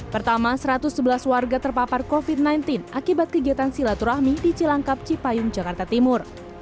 pertama satu ratus sebelas warga terpapar covid sembilan belas akibat kegiatan silaturahmi di cilangkap cipayung jakarta timur